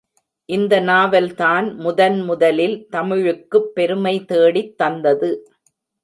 இந்த நாவல்தான் முதன் முதலில் தமிழுக்குப் பெருமை தேடித்தந்தது.